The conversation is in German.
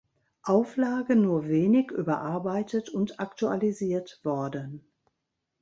Auflage nur wenig überarbeitet und aktualisiert worden.